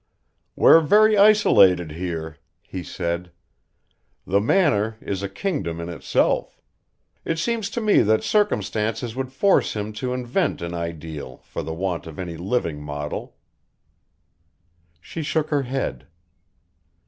"We're very isolated here," he said. "The Manor is a kingdom in itself. It seems to me that circumstances would force him to invent an ideal for the want of any living model." She shook her head.